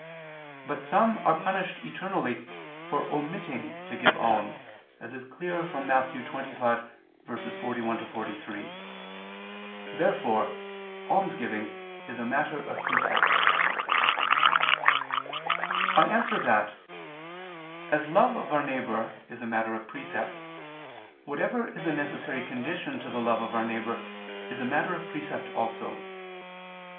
But some are punished eternally for omitting to give alms, as is clear from Matt. 25:41 43. Therefore almsgiving is a matter of precept. I answer that, As love of our neighbor is a matter of precept, whatever is a necessary condition to the love of our neighbor is a matter of precept also.